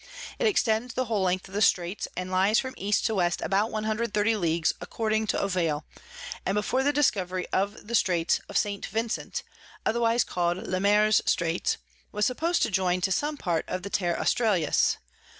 It extends the whole Length of the Straits, and lies from East to West about 130 Leagues, according to Ovalle; and before the Discovery of the Straits of St. Vincent, otherwise call'd Le Maire's Straits, was suppos'd to join to some part of the Terra Australis.